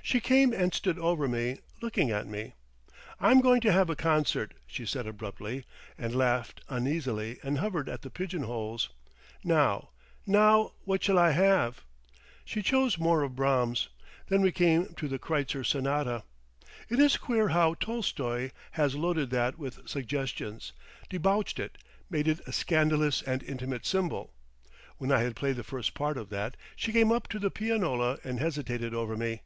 She came and stood over me, looking at me. "I'm going to have a concert," she said abruptly, and laughed uneasily and hovered at the pigeon holes. "Now—now what shall I have?" She chose more of Brahms. Then we came to the Kreutzer Sonata. It is queer how Tolstoy has loaded that with suggestions, debauched it, made it a scandalous and intimate symbol. When I had played the first part of that, she came up to the pianola and hesitated over me.